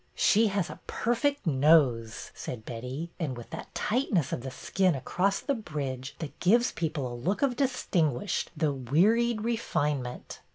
" She has a perfect nose," said Betty, '' and with that tightness of the skin across the bridge that gives people such a look of distinguished, though wearied, refinement."